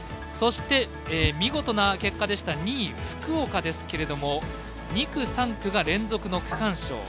そして、見事な結果でした２位、福岡ですけれども２区、３区が連続の区間賞。